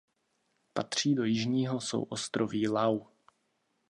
Patří do jižního souostroví Lau.